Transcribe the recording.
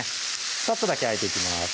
サッとだけあえていきます